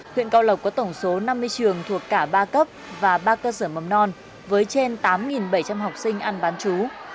huyện cao lộc có tổng số năm mươi trường thuộc cả ba cấp và ba cơ sở mầm non với trên tám bảy trăm linh học sinh ăn bán chú